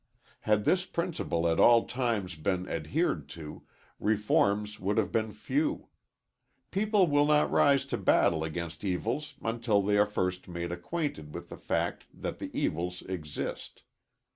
Had this principle at all times been adhered to, reforms would have been few. People will not rise to battle against evils until they are first made acquainted with the fact that the evils exist.